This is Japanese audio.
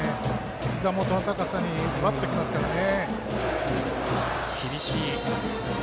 ひざ元の高さにズバッときますからね。